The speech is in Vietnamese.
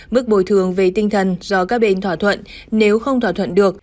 mức bồi thường về tinh thần do các bên thỏa thuận nếu không thỏa thuận được